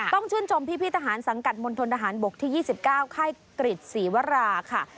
ต้องชื่นชมพี่ทหารสังกัดมณฑนทหารบกที่๒๙ค่ายกริจศรีวราค่ะ